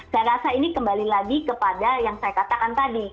saya rasa ini kembali lagi kepada yang saya katakan tadi